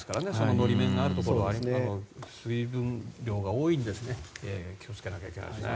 法面があるところは水分量が多いので気をつけなきゃいけないですね。